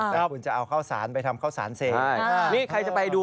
แล้วคุณจะเอาข้าวสารไปทำข้าวสารเสพใช่นี่ใครจะไปดู